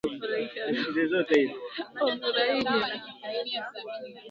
Takribani watu themanini na saba wameuawa na mamia kujeruhiwa wakati wa zaidi ya